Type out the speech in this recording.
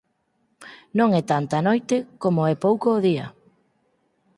Non é tanta a noite como é pouco o día.